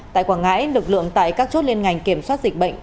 tại quảng ngãi lực lượng tại các chốt liên ngành kiểm soát dịch bệnh